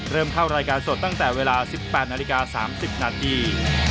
เริ่มเข้ารายการสดตั้งแต่เวลา๑๘นาฬิกา๓๐นาที